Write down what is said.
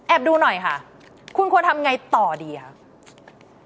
แอบดูหน่อยค่ะคุณควรทำอย่างไรต่อดีค่ะ